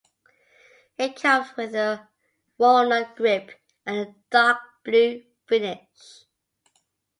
It comes with a walnut grip and a dark blue finish.